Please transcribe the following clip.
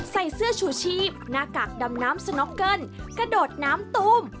ใส่เสื้อชูชีพหน้ากากดำน้ำสน็อกเกิ้ลกระโดดน้ำตูม